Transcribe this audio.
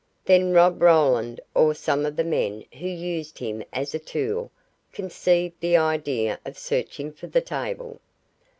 Then Rob Roland, or some of the men who used him as a tool, conceived the idea of searching for the table.